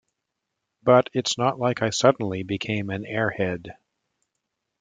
But it's not like I suddenly became an airhead.